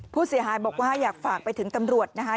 ผู้เสียหายบอกว่าอยากฝากไปถึงตำรวจนะคะ